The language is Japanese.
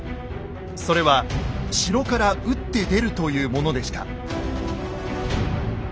それは城から打って出るというものでした。